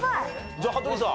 じゃあ羽鳥さん。